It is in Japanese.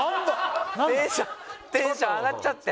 テンションテンション上がっちゃって？